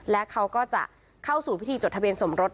และเขาก็จะเข้าสู่พิธีจดทะเบียนสมรส